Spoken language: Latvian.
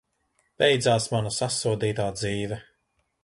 Beidzās mana sasodītā dzīve!